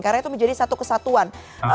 karena itu menjadi satu kesatuan